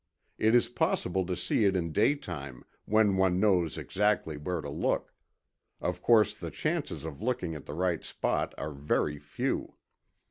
It is possible to see it in daytime when one knows exactly where to look. Of course, the chances of looking at the right spot are very few.